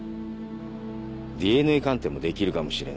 ＤＮＡ鑑定もできるかもしれない。